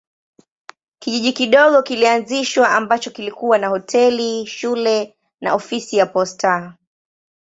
Kijiji kidogo kilianzishwa ambacho kilikuwa na hoteli, shule na ofisi ya posta.